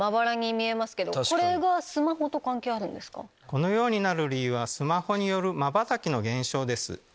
このようになる理由はスマホによるまばたきの減少です。